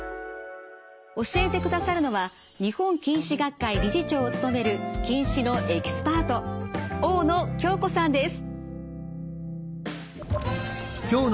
教えてくださるのは日本近視学会理事長を務める近視のエキスパート大野京子さんです。